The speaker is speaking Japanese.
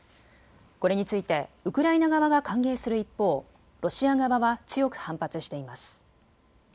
これについてウクライナ側が歓迎する一方、ロシア側は強く反発しています。